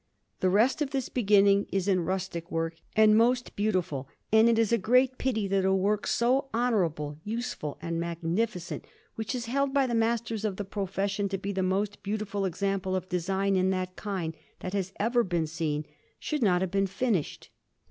The rest of this beginning is in rustic work, and most beautiful; and it is a great pity that a work so honourable, useful, and magnificent, which is held by the masters of the profession to be the most beautiful example of design in that kind that has ever been seen, should not have been finished.